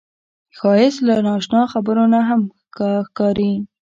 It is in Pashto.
ښایست له نا اشنا خبرو نه هم راښکاري